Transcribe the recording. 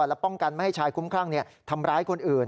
และป้องกันไม่ให้ชายคุ้มครั่งทำร้ายคนอื่น